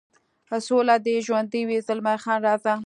سوله دې ژوندی وي، زلمی خان: راځه.